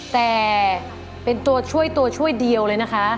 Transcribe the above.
แต่เป็นตัวช่วยตัวช่วยเดียวเลยนะคะ